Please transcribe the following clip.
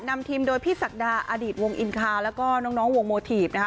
นำทีมโดยพี่ศักดาอดีตวงอินคาแล้วก็น้องวงโมทีฟนะคะ